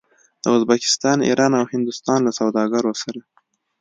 د ازبکستان، ایران او هندوستان له سوداګرو سره